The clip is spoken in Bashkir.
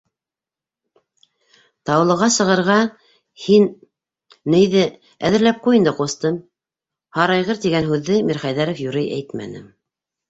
Таулыға сығырға, һин... нейҙе... әҙерләп ҡуй инде, ҡустым. - «һарайғыр» тигән һүҙҙе Мирхәйҙәров юрый әйтмәне.